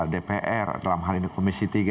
dpr dalam hal ini komisi tiga